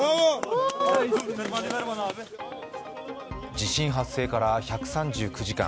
地震発生から１３９時間。